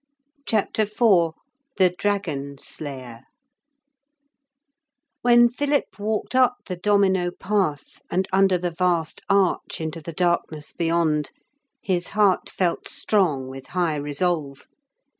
CHAPTER IV THE DRAGON SLAYER When Philip walked up the domino path and under the vast arch into the darkness beyond, his heart felt strong with high resolve.